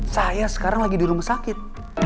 saya sekarang lagi di rumah sakit